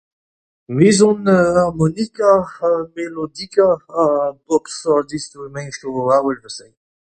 Me son harmonika ha melodika ha bep seurt instrumantoù-avel 'vel-se